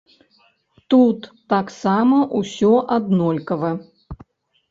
Тут таксама ўсё аднолькава.